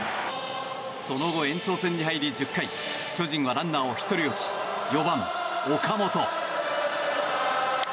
その後、延長戦に入り１０回巨人はランナーを１人置き４番、岡本。